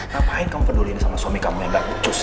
ngapain kamu peduliin sama suami kamu yang gak becus itu